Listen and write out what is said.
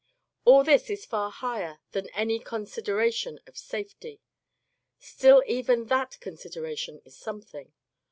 All this is far higher than any consideration of safety. Still even that consideration is something.